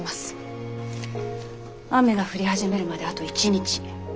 雨が降り始めるまであと１日。